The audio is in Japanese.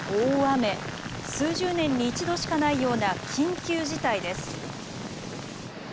数十年に一度しかないような緊急事態です。